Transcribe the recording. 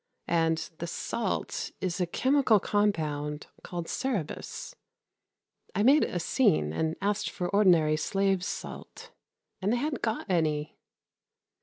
And the salt is a chemical compound called Σερεβος. I made a scene and asked for ordinary slaves' salt, and they hadn't got any.